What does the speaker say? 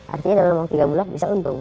artinya dalam tiga bulan bisa untung